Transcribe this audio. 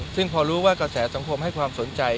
ซึ่งพอรู้ว่ากระแสสังคมให้ความสนใจ